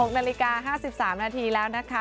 ๖นาฬิกา๕๓นาทีแล้วนะคะ